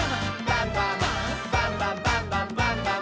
バンバン」「バンバンバンバンバンバン！」